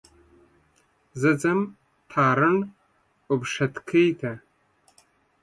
زه ځم تارڼ اوبښتکۍ ته.